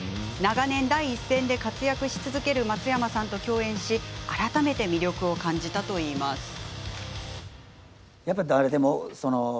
長年、第一線で活躍し続ける松山さんと共演し改めて魅力を感じたといいます。